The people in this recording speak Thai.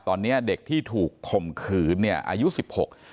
เนี้ยเด็กที่ถูกข่มขืนเนี่ยอายุสิบหก